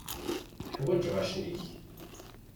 Ḥwaǧeɣ acrik.